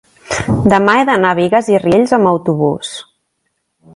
demà he d'anar a Bigues i Riells amb autobús.